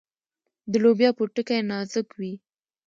د لوبیا پوټکی نازک وي.